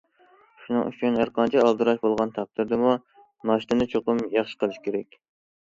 شۇنىڭ ئۈچۈن ھەرقانچە ئالدىراش بولغان تەقدىردىمۇ ناشتىنى چوقۇم ياخشى قىلىش كېرەك.